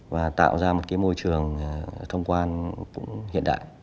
và tạo ra một môi trường thông quan hiện đại